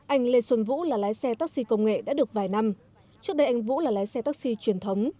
anh lê xuân vũ là lái xe taxi công nghệ đã được vài năm trước đây anh vũ là lái xe taxi truyền thống